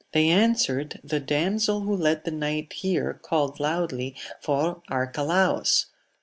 They answered. The damsel who led the knight here called loudly for Arcalaus.